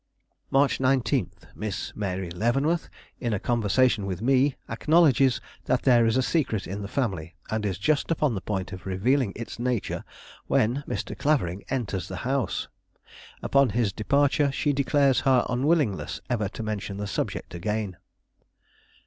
"March 19. Miss Mary Leavenworth, in a conversation with me, acknowledges that there is a secret in the family, and is just upon the point of revealing its nature, when Mr. Clavering enters the house. Upon his departure she declares her unwillingness ever to mention the subject again."